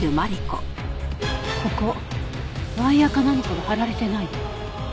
ここワイヤか何かが張られてない？